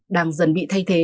đang dần bị thay thế